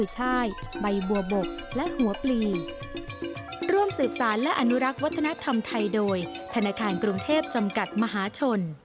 จากมหาชน